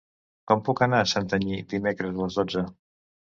Com puc anar a Santanyí dimecres a les dotze?